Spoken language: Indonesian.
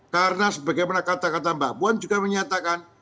karena sebagaimana kata kata mbak puan juga menyatakan